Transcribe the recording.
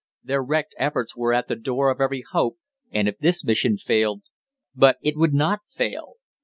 Their wrecked efforts were at the door of every hope, and if this mission failed but it would not fail!